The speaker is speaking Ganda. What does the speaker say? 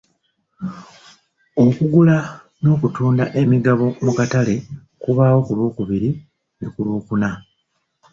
Okugula n'okutunda emigabo mu katale kubaawo ku Lwokubiri ne ku Lwokuna.